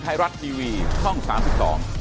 โปรดติดตามตอนต่อไป